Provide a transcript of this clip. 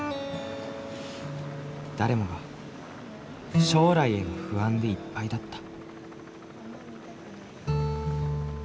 誰もが将来への不安でいっぱいだった。